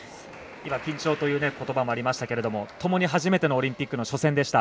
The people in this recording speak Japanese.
今、緊張ということばもありましたがともに初めてのオリンピック初戦でした。